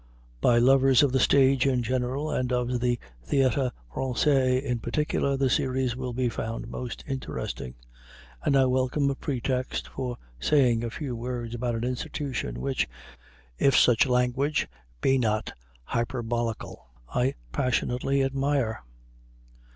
By lovers of the stage in general and of the Théâtre Français in particular the series will be found most interesting; and I welcome the pretext for saying a few words about an institution which if such language be not hyperbolical I passionately admire.